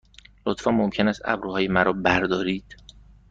لطفاً ممکن است ابروهای مرا بردارید؟